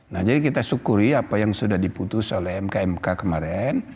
nah jadi kita syukuri apa yang sudah diputus oleh mkmk kemarin